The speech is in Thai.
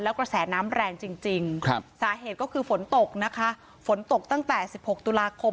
กระแสน้ำแรงจริงสาเหตุก็คือฝนตกนะคะฝนตกตั้งแต่๑๖ตุลาคม